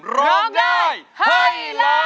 ร้องได้ให้ล้าน